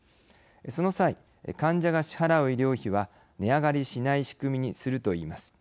その際、患者が支払う医療費は値上がりしない仕組みにするといいます。